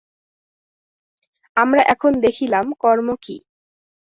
আমরা এখন দেখিলাম, কর্ম কি।